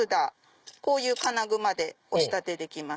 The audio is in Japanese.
こういう金具までお仕立てできます。